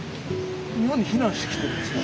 日本に避難してきてるんですか？